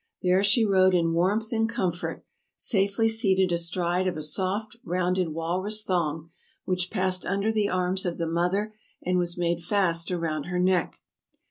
There she rode in warmth and comfort, safely seated astride of a soft, rounded walrus thong, which passed under the arms of the mother and was made fast around her neck.